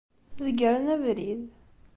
Zegren abrid.